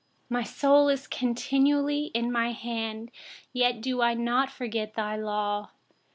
109My soul is continually in my hand, yet I wonât forget your law.